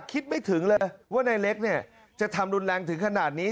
คิดไม่ถึงเลยว่านายเล็กเนี่ยจะทำรุนแรงถึงขนาดนี้